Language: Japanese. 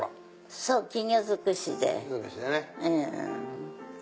そう金魚ずくしで。